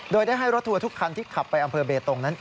โดยได้ให้รถทัวร์ทุกคันที่ขับไปอำเภอเบตงนั้น